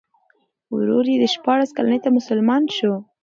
ورور یې د شپاړس کلنۍ نه مسلمان شو.